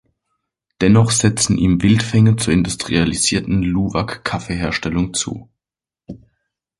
Dennoch setzen ihm Wildfänge zur industrialisierten Luwak-Kaffeeherstellung zu.